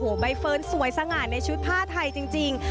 บอกว่าโอ้โหใบเฟิร์นสวยสง่ายในชุดผ้าไทยจริงจริง